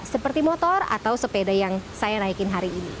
seperti motor atau sepeda yang saya naikin hari ini